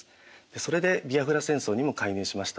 それでビアフラ戦争にも介入しました。